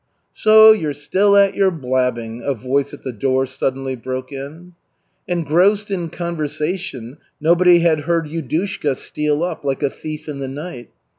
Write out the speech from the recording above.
"So you're still at your blabbing," a voice at the door suddenly broke in. Engrossed in conversation nobody had heard Yudushka steal up "like a thief in the night."